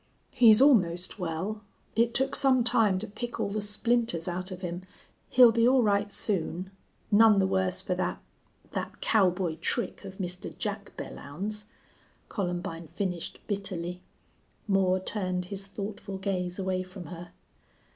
"He's almost well. It took some time to pick all the splinters out of him. He'll be all right soon none the worse for that that cowboy trick of Mister Jack Belllounds." Columbine finished bitterly. Moore turned his thoughtful gaze away from her.